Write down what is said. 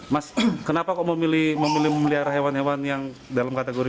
mas kenapa kok memilih memelihara hewan hewan yang dalam kategori